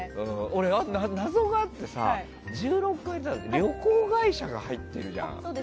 俺、謎があってさ１６階ってさ旅行会社が入っているじゃん。